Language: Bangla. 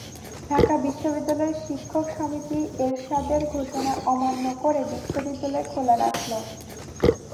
ঢাকা বিশ্ববিদ্যালয়ের শিক্ষক সমিতি এরশাদের ঘোষণা অমান্য করে বিশ্ববিদ্যালয় খোলা রাখল।